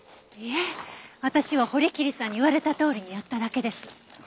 いえ私は堀切さんに言われたとおりにやっただけです。